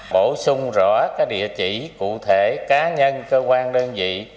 bổ sung rõ cái địa chỉ cụ thể cá nhân cơ quan đơn vị